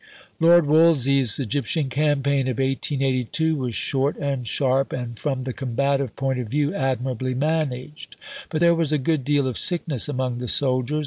Lord Wolseley's Egyptian campaign of 1882 was short and sharp, and from the combative point of view admirably managed, but there was a good deal of sickness among the soldiers.